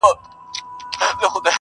خو دوى يې د مريد غمى د پير پر مخ گنډلی~